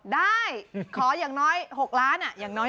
ได้ขออย่างน้อย๖ล้านอย่างน้อย